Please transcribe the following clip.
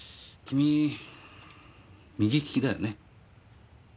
君右利きだよね？